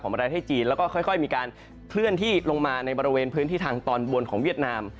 ประเทศจีนแล้วก็ค่อยมีการเคลื่อนที่ลงมาในบริเวณพื้นที่ทางตอนบนของเวียดนาม